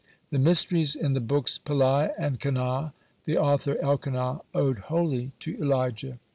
The mysteries in the books "Peliah" and "Kanah," the author Elkanah owed wholly to Elijah.